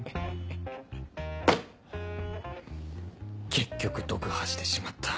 結局読破してしまった